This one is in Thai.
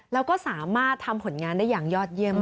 แล้วก็สามารถทำผลงานได้อย่างยอดเยี่ยม